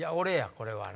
これはな。